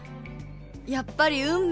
やっぱり運命。